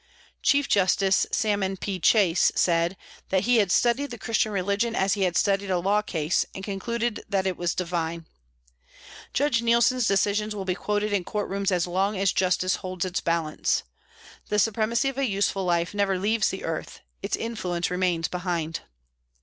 Chief Justice Salmon P. Chase said that he had studied the Christian religion as he had studied a law case, and concluded that it was divine. Judge Neilson's decisions will be quoted in court rooms as long as Justice holds its balance. The supremacy of a useful life never leaves the earth its influence remains behind.